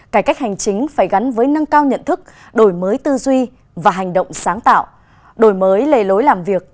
cải cách hành chính phải gắn với nâng cao nhận thức đổi mới tư duy và hành động sáng tạo đổi mới lề lối làm việc